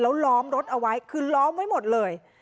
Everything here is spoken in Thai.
แล้วล้อมรถเอาไว้คือล้อมไว้หมดเลย